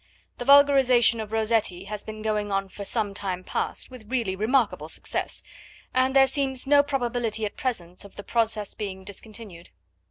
The vulgarisation of Rossetti has been going on for some time past with really remarkable success, and there seems no probability at present of the process being discontinued.